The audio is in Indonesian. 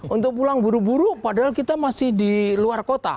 untuk pulang buru buru padahal kita masih di luar kota